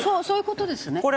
そういう事ですね。